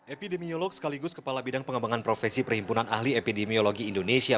epidemiolog sekaligus kepala bidang pengembangan profesi perhimpunan ahli epidemiologi indonesia